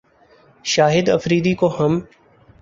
شاہد فریدی کو ہم